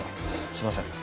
すいません。